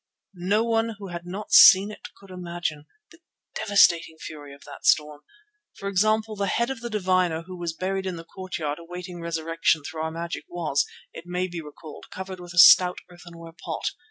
No one who had not seen it could imagine the devastating fury of that storm. For example, the head of the diviner who was buried in the court yard awaiting resurrection through our magic was, it may be recalled, covered with a stout earthenware pot.